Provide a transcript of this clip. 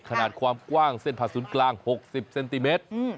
ขนาดความกว้างเส้นผ่าศูนย์กลาง๖๐เซนติเมตร